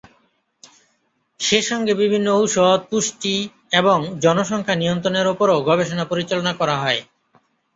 সে সঙ্গে বিভিন্ন ঔষধ, পুষ্টি এবং জনসংখ্যা নিয়ন্ত্রণের ওপরও গবেষণা পরিচালনা করা হয়।